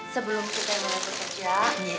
sebelum kita bawa ke kerja